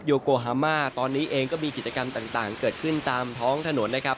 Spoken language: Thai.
โกฮามาตอนนี้เองก็มีกิจกรรมต่างเกิดขึ้นตามท้องถนนนะครับ